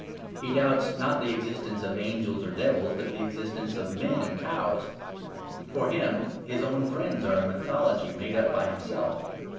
He doubts not the existence of angels or devils, but the existence of men and cows. For him his own friends are a mythology made up by himself.